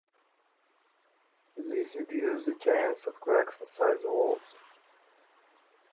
This reduces the chance of cracks inside the walls.